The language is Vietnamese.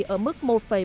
ở mức một ba mươi hai